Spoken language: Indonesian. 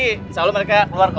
insya allah mereka keluar ke